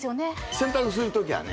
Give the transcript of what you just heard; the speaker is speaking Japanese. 洗濯する時はね